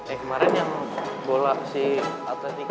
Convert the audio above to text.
eh kemarin yang bola si alta nikah